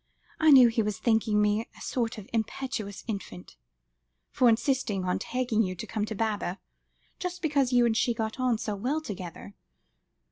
I knew he was thinking me a sort of impetuous infant, for insisting on asking you to come to Baba, just because you and she got on so well together.